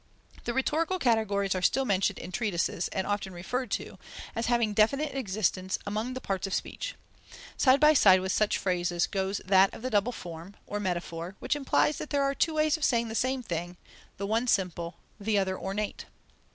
The rhetorical categories are still mentioned in treatises and often referred to, as having definite existence among the parts of speech. Side by side with such phrases goes that of the double form, or metaphor, which implies that there are two ways of saying the same thing, the one simple, the other ornate.